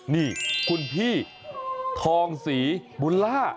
นี่คุณพี่ทองศรีบุญล่า